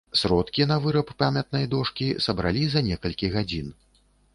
Сродкі на выраб памятнай дошкі сабралі за некалькі гадзін.